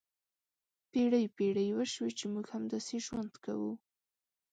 پېړۍ پېړۍ وشوې چې موږ همداسې ژوند کوو.